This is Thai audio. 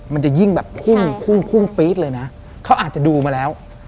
มันจะยิ่งแบบพุ่งพุ่งปี๊ดเลยนะเขาอาจจะดูมาแล้ว